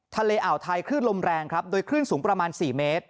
ทะเลอ่าวไทยขึ้นลมแรงครับโดยขึ้นสูงประมาณสี่เมตร